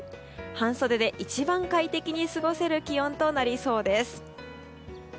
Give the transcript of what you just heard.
半袖で一番快適に過ごせる気温となりそうです。